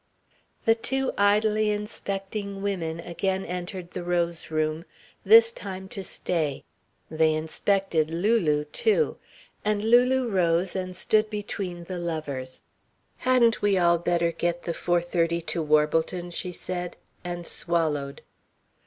The two idly inspecting women again entered the rose room, this time to stay. They inspected Lulu too. And Lulu rose and stood between the lovers. "Hadn't we all better get the four thirty to Warbleton?" she said, and swallowed.